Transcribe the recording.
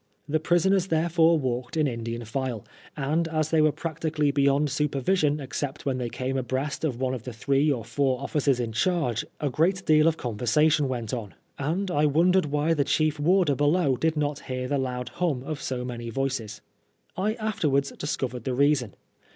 The prisoners therefore walked in Indian file, and as they were practically beyond supervision except when they came abreast of one of the three or four officers in charge, a great deal of conversation went on, and I wondered why the chief warder below did not hear the loud hum of so many voices. I afterwards discovered the reason.